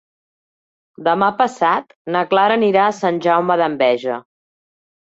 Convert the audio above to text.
Demà passat na Clara anirà a Sant Jaume d'Enveja.